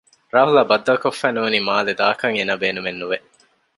ރާހުލްއާ ބައްދަލުކޮށްފައި ނޫނީ މާލެ ދާކަށް އޭނާ ބޭނުމެއް ނުވެ